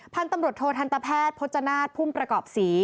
พันธุ์ตำรวจโททันตแพทย์พจนาศพุ่มประกอบศรี